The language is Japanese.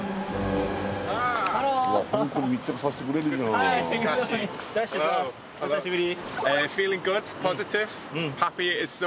お久しぶり。